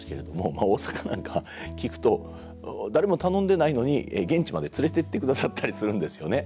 まあ大阪なんかは聞くと誰も頼んでないのに現地まで連れてってくださったりするんですよね。